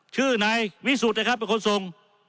ชื่อนายวิสุทธิ์นะครับเป็นคนส่ง